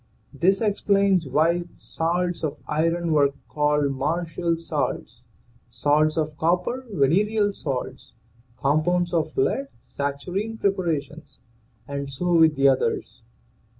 This explains why salts of iron were called martial salts; salts of copper, venereal salts; compounds of lead, saturnine preparations, and so with the others.